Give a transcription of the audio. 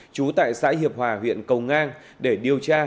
trú tại xã hiệp hòa huyện cầu ngang để điều tra